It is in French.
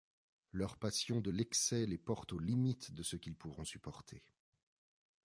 Leur passion de l’excès les porte aux limites de ce qu’ils pourront supporter.